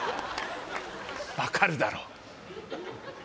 分かるだろ？